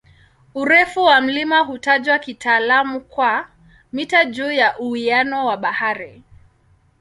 Urefu wa mlima hutajwa kitaalamu kwa "mita juu ya uwiano wa bahari".